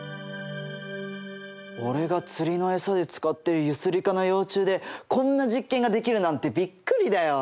俺が釣りの餌で使ってるユスリカの幼虫でこんな実験ができるなんてびっくりだよ！